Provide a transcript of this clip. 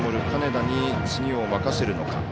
金田に次を任せるのか。